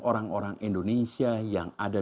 orang orang indonesia yang ada